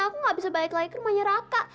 aku gak bisa balik lagi ke rumahnya raka